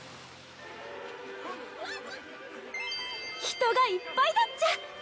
人がいっぱいだっちゃ！